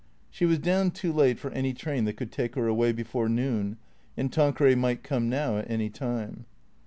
She was down too late for any train that could take her away before noon, and Tanqueray might come now at any time.